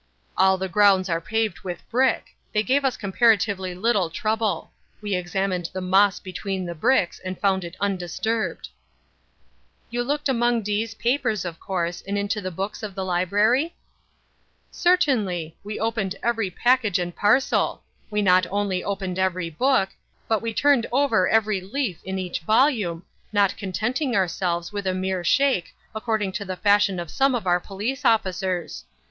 "All the grounds are paved with brick. They gave us comparatively little trouble. We examined the moss between the bricks, and found it undisturbed." "You looked among D——'s papers, of course, and into the books of the library?" "Certainly; we opened every package and parcel; we not only opened every book, but we turned over every leaf in each volume, not contenting ourselves with a mere shake, according to the fashion of some of our police officers.